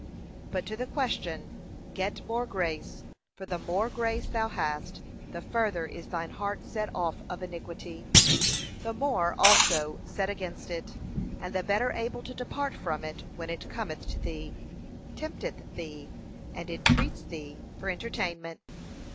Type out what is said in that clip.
But to the question. Get more grace, for the more grace thou hast the further is thine heart set off of iniquity, the more, also, set against it, and the better able to depart from it when it cometh to thee, tempteth thee, and entreats thee for entertainment.